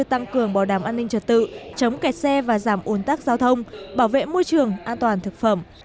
tăng cường bảo đảm an ninh trật tự chống kẹt xe và giảm ồn tắc giao thông bảo vệ môi trường an toàn thực phẩm